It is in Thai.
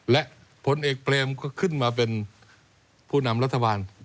และผลเอกเปรมก็ขึ้นมาเป็นผู้นำรัฐบาล